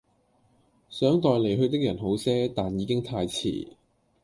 想待離去的人好些，但已經太遲